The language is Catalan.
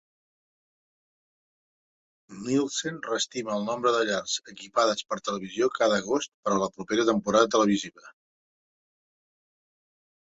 Nielsen reestima el nombre de llars equipades per televisió cada agost per a la propera temporada televisiva.